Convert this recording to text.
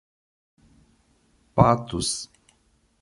Patos